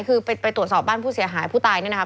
คือไปตรวจสอบบ้านผู้เสียหายผู้ตายเนี่ยนะครับ